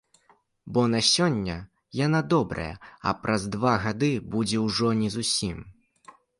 Бо на сёння яна добрая, а праз два гады будзе ужо не зусім.